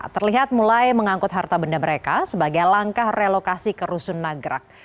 terlihat mulai mengangkut harta benda mereka sebagai langkah relokasi ke rusun nagrak